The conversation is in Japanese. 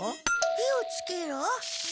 火をつけろ？